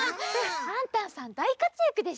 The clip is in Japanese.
パンタンさんだいかつやくでしたもんね！